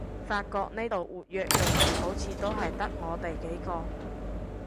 發覺呢度活躍用戶好似都係得我哋幾個